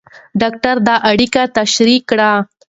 ډاکټر دا اړیکه تشریح کړه.